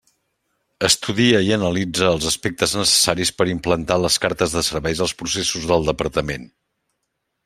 Estudia i analitza els aspectes necessaris per implantar les cartes de serveis als processos del Departament.